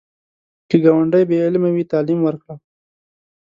که ګاونډی بې علمه وي، تعلیم ورکړه